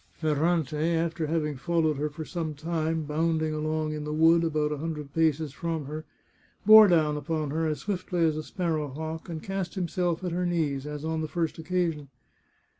Ferrante, after having followed her for some time, bounding along in the wood about a hundred paces from her, bore down upon her as swiftly as a sparrow hawk and cast himself at her knees, as on the first occasion.